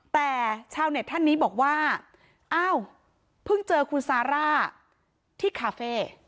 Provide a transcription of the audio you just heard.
แต่ชาวเน็ตท่านนี้บอกว่าอ้าวเพิ่งเจอคุณซาร่าที่คาเฟ่